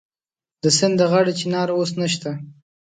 د سیند د غاړې چنار اوس نشته